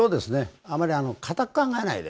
あまりかたく考えないで。